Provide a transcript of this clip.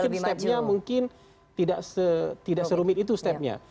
tapi mungkin step nya mungkin tidak serumit itu step nya